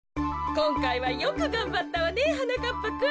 こんかいはよくがんばったわねはなかっぱくん。